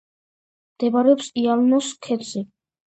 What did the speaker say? მდებარეობს იალნოს ქედზე.